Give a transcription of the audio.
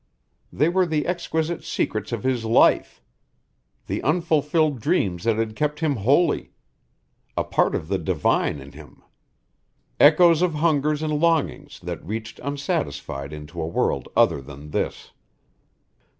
They were the exquisite secrets of his life; the unfulfilled dreams that had kept him holy; a part of the divine in him; echoes of hungers and longings that reached unsatisfied into a world other than this.